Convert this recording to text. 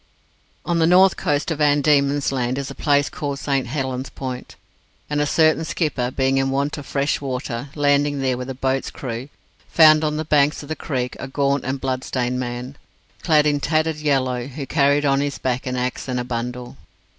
On the north coast of Van Diemen's Land is a place called St Helen's Point, and a certain skipper, being in want of fresh water; landing there with a boat's crew, found on the banks of the creek a gaunt and blood stained man, clad in tattered yellow, who carried on his back an axe and a bundle.